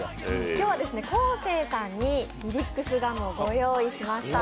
今日は昴生さんにフィリックスガムをご用意しました。